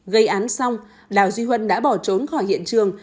gây án xong đào duy huân đã bỏ trốn khỏi hiện trường